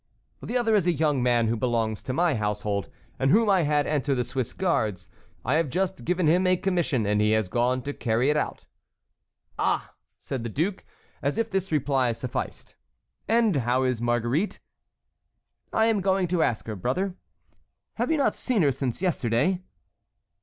"The other is a young man who belongs to my household and whom I had enter the Swiss guards. I have just given him a commission and he has gone to carry it out." "Ah!" said the duke, as if this reply sufficed. "And how is Marguerite?" "I am going to ask her, brother." "Have you not seen her since yesterday?"